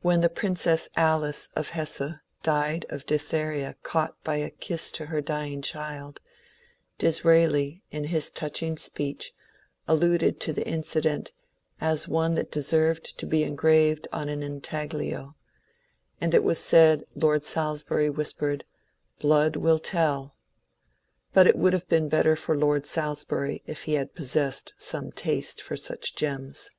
When the Prin cess Alice of Hesse died of diphtheria caught by a kiss to her dying child, Disraeli, in his touching speech, alluded to the incident as one that deserved to be engraved on an intaglio ; and it was said Lord Salisbury whispered, *^ Blood will tell." But it would have been better for Lord Salisbury if he had possessed some taste for such gems.